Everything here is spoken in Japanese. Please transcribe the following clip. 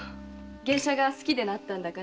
芸者が好きでなったんだから。